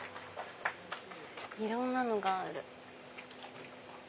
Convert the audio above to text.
いろんなのがある。